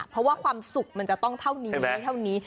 เพราะว่าความสุกมันจะต้องเท่านี้